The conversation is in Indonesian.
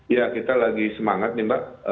ya kita lagi semangat nih mbak